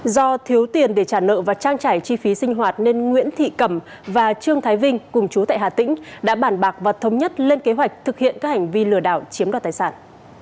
do thiếu tiền để trả nợ và trang trải chi phí sinh hoạt nên nguyễn thị cẩm và trương thái vinh cùng chú tại hà tĩnh đã bản bạc và thống nhất lên kế hoạch thực hiện các hành vi lừa đảo chiếm đoạt tài sản